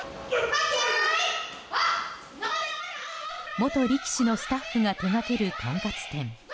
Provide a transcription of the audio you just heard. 元力士のスタッフが手掛けるとんかつ店。